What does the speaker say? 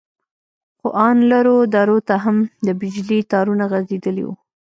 خو ان لرو درو ته هم د بجلي تارونه غځېدلي وو.